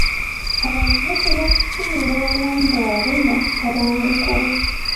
Abantu batera okufiirwa obulamu bwabwe mu butabanguko.